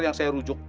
yang saya rujuk